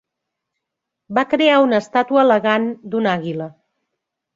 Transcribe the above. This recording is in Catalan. Va crear una estàtua elegant d'una àguila.